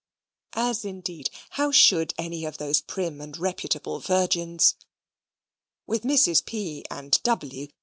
As, indeed, how should any of those prim and reputable virgins? With Misses P. and W.